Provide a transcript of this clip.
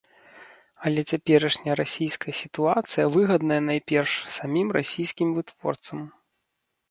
Але цяперашняя расійская сітуацыя выгадная найперш самім расійскім вытворцам.